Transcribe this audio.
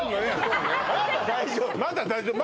まだ大丈夫